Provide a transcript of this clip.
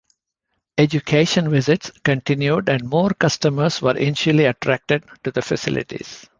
Education visits continued and more customers were initially attracted to the facilities.